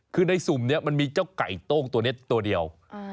คือในสุ่มนี้มันมีเจ้าไก่โต้งตัวนี้ตัวเดียว